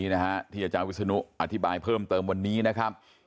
อาจารย์วิศนุอธิบายเพิ่มเติมวันนี้นะครับ